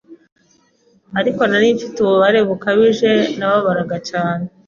ariko nari mfite ububabare bukabije, narababaraga cyaneee,